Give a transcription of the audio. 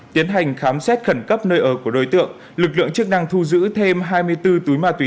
tiến hành khám xét khẩn cấp nơi ở của đối tượng lực lượng chức năng thu giữ thêm hai mươi bốn túi ma túy